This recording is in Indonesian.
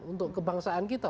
untuk kebangsaan kita